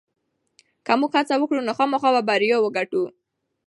که موږ هڅه وکړو نو خامخا به بریا وګټو.